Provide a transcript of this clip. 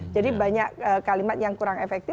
jadi banyak kalimat yang kurang efektif